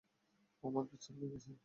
ও আমার পিস্তল নিয়ে গেছে!